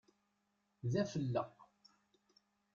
D afelleq!